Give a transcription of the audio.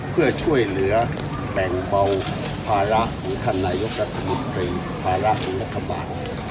เพื่อช่วยเหลือแปลงเบาภาระของธนายกฎิตริภาระของรัฐบาล